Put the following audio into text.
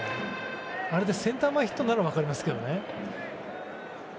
あれでセンター前ヒットなら分かりますけどね。